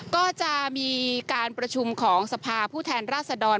ก็จะมีการประชุมของสภาผู้แทนราชดร